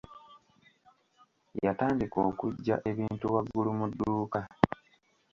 Yatandika okuggya ebintu waggulu mu dduuka.